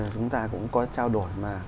chúng ta cũng có trao đổi mà